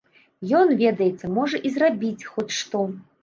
Ён, ведаеце, можа і зрабіць хоць што.